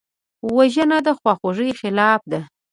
وژنه د خواخوږۍ خلاف ده